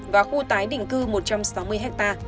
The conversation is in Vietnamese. và khu tái định cư một trăm sáu mươi ha